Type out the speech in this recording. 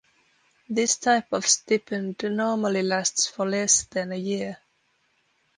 This type of stipend normally lasts for less than a year.